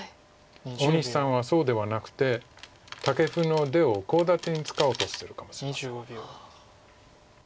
大西さんはそうではなくてタケフの出をコウ立てに使おうとしてるかもしれません。